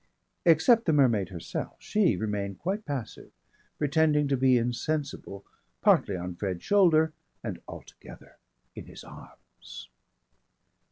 Except the mermaid herself; she remained quite passive, pretending to be insensible partly on Fred's shoulder and altogether in his arms.